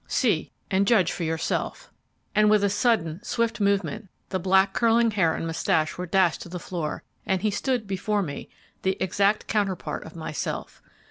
See and judge for yourself!' and with a sudden, swift movement the black curling hair and mustache were dashed to the floor, and he stood before me the exact counterpart of myself.